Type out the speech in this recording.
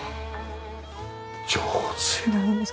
上手！